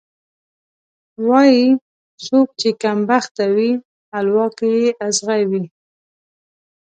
وایي: څوک چې کمبخته وي، حلوا کې یې ازغی وي.